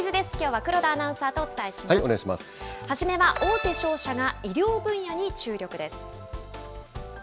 はじめは大手商社が医療分野に注力です。